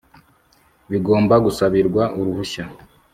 bigomba gusabirwa uruhushya